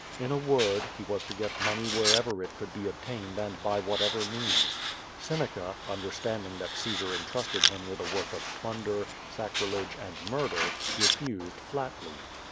In a word, he was to get money wlierever it could be obtained and by whatever means. Sen eca, understanding that Caesar entrusted him with a work of plunder, sacrilege, and murder, refused flatly.